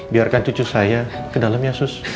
biarkan cucu saya ke dalamnya sus